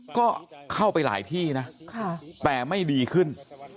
ก็เข้าไปหลายที่นะแต่ไม่ดีขึ้น